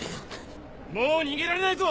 もう逃げられないぞ！